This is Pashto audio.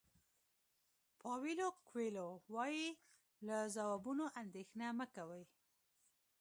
پاویلو کویلو وایي له ځوابونو اندېښنه مه کوئ.